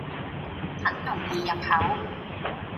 很容易入口